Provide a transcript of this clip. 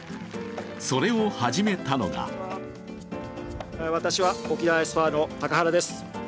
それを始めたのが私は沖縄ＳＶの高原です。